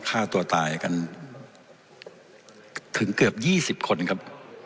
ฆ่าตัวตายกันถึงเกือบ๒๐คนครับ